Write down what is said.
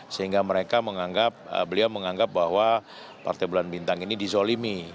sehingga mereka menganggap beliau menganggap bahwa partai bulan bintang ini dizolimi